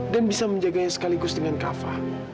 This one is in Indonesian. dan bisa menjaganya sekaligus dengan kava